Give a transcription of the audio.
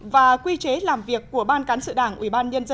và quy chế làm việc của ban cán sự đảng